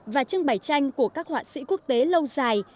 và trưng bày tranh của các họa sĩ quốc tế lâu dài